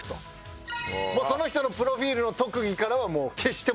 その人のプロフィールの特技からはもう消してもらう。